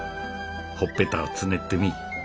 ほっぺたをつねってみい。